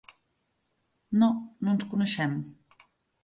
No, no ens coneixem.